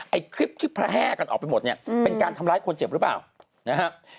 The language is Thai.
ไอ้คลิปที่แพร่กันออกไปหมดเนี่ยเป็นการทำร้ายคนเจ็บหรือเปล่านะฮะ